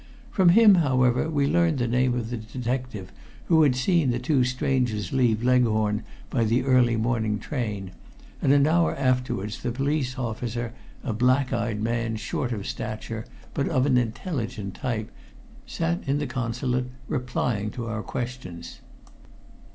From him, however, we learned the name of the detective who had seen the two strangers leave Leghorn by the early morning train, and an hour afterwards the police officer, a black eyed man short of stature, but of an intelligent type, sat in the Consulate replying to our questions.